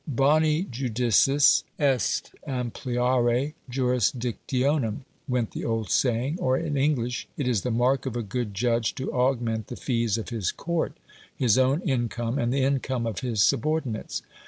Boni judicis est ampliare jursdictionem, went the old saying; or, in English, "It is the mark of a good judge to augment the fees of his Court," his own income, and the income of his subordinates.